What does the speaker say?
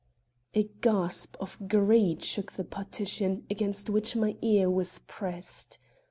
A gasp of greed shook the partition against which my ear was pressed.